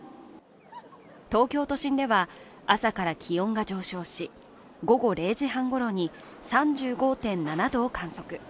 東京都心では、朝から気温が上昇し午後０時半ごろに３５．７度を観測。